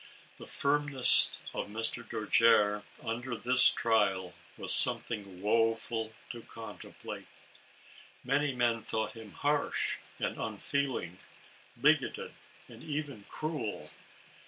The firmness of Mr. Dojere, under this trial, was something woeful to contemplate. Many men thought him harsh and unfeeling, bigoted and even cruel.